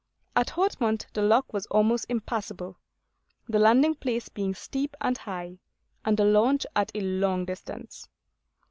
At Hautmont, the lock was almost impassable; the landing place being steep and high, and the launch at a long distance.